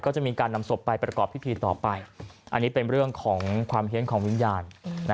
ก็จะมีการนำศพไปประกอบพิธีต่อไปอันนี้เป็นเรื่องของความเฮียนของวิญญาณ